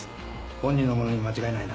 本人のものに間違いないな。